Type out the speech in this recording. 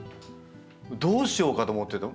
どうしようかと思ってた。